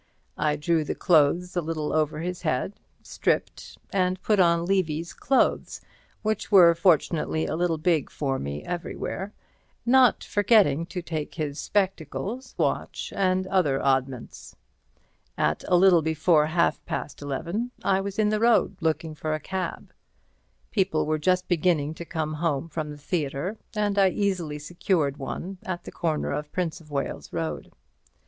I drew the clothes a little over his head, stripped, and put on Levy's clothes, which were fortunately a little big for me everywhere, not forgetting to take his spectacles, watch and other oddments. At a little before half past eleven I was in the road looking for a cab. People were just beginning to come home from the theatre, and I easily secured one at the corner of Prince of Wales Road.